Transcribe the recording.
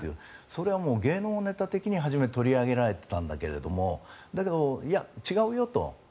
それは芸能ネタ時に初め取り上げられていたんだけれどもだけど、いや、違うよと。